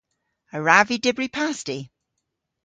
A wrav vy dybri pasti?